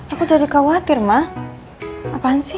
aku jadi khawatir mah ngapain sih